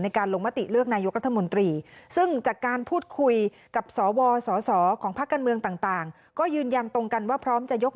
ในการลงมะติเลือกนาย